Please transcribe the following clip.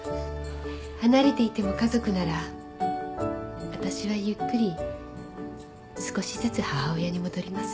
離れていても家族なら私はゆっくり少しずつ母親に戻ります。